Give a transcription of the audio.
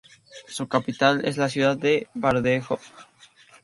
Su capital es la ciudad de Bardejov.